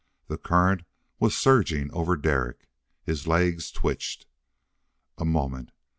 The current was surging over Derek; his legs twitched. A moment.